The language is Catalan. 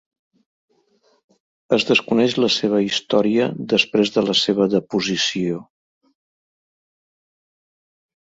Es desconeix la seva història després de la seva deposició.